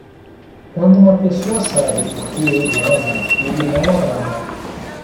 Quando uma pessoa sabe por que ele ama, ele não a ama.